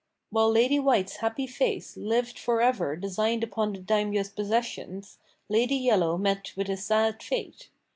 While Lady White's happy face lived forever designed upon the Daimyo's possessions, Lady Yellow met with a sad fate.